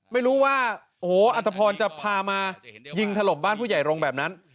ไม่รู้ว่าโอ้โหอัตภพรจะพามายิงถล่มบ้านผู้ใหญ่โรงแบบนั้น